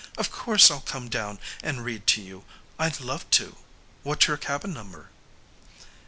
"Of course I'll come down and read to you. I'd love to. What's your cabin number?"